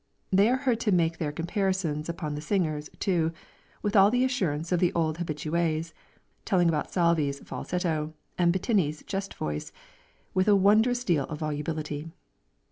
They are heard to make their comparisons upon the singers too, with all the assurance of the old habitués, telling about Salvi's falsetto, and Bettini's chest voice, with a wondrous deal of volubility.